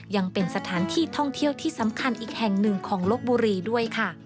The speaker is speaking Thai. ยังเป็นสถานที่ท่องเที่ยวที่สำคัญอีกแห่งหนึ่งของลบบุรีด้วยค่ะ